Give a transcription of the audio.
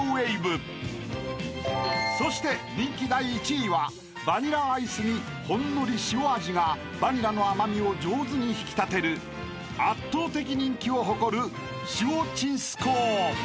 ［そして人気第１位はバニラアイスにほんのり塩味がバニラの甘味を上手に引き立てる圧倒的人気を誇る］